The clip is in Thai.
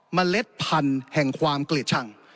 เล็ดพันธุ์แห่งความเกลียดชัง